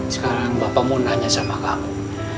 sekarang bapak mau nanya sama kamu